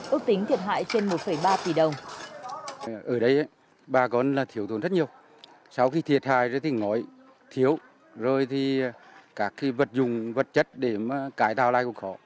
ước tính thiệt hại trên một ba tỷ đồng